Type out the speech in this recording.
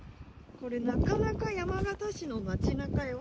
これ、なかなか山形市の街なかよ。